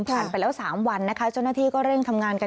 ผ่านไปแล้ว๓วันนะคะ